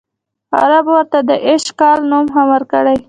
عربو ورته د ایش کال نوم هم ورکړی.